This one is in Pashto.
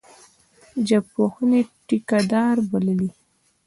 ژبپوهني ټیکه دار بللی.